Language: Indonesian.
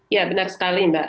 ya benar sekali mbak